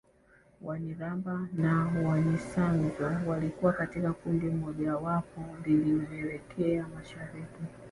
Wanyiramba na Wanyisanzu walikuwa katika kundi mojawapo lililoelekea mashariki